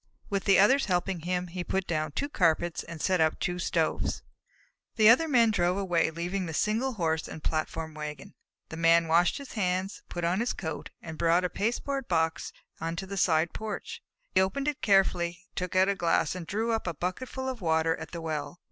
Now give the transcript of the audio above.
With the others helping him, he put down two carpets and set up two stoves. The other Men drove away, leaving the single Horse and the platform wagon. The Man washed his hands, put on his coat, and brought a pasteboard box out onto the side porch. He opened it carefully, took out a glass, and drew up a bucketful of water at the well.